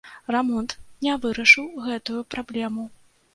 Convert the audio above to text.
Рамонт не вырашыў гэтую праблему.